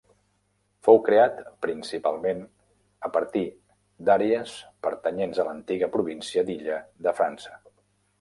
Fou creat principalment a partir d'àrees pertanyents a l'antiga província d'Illa de França.